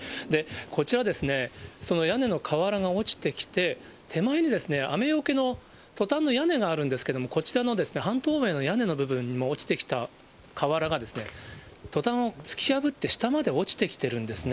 こちらですね、屋根の瓦が落ちてきて、手前に、雨よけのトタンの屋根があるんですけれども、こちらの半透明の屋根の部分に落ちてきた瓦がトタンを突き破って下まで落ちてきてるんですね。